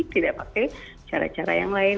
tidak pakai cara cara yang lain